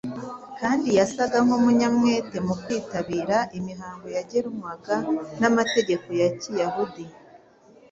kandi yasaga nk’umunyamwete mu kwitabira imihango yagenwaga n’amategeko ya Kiyahudi.